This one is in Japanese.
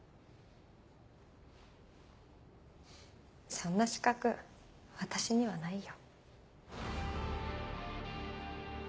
そんな資格私にはないよ。